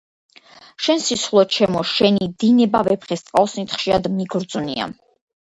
შენ სისხლო ჩემო შენი დინებავეფხისტყაოსნით ხშირად მიგრძვნია...